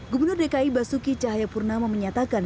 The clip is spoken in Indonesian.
gubernur dki basuki cahayapurna memenyatakan